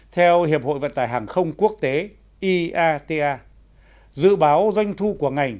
theo hiệp hội vận tải hàng không quốc tế iata dự báo doanh thu của ngành